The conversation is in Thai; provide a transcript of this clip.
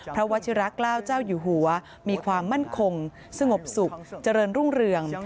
วัชิระเกล้าเจ้าอยู่หัวมีความมั่นคงสงบสุขเจริญรุ่งเรือง